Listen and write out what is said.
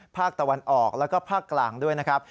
ภาคตะวันออกแล้วก็ภาคกลางด้วยนะครับ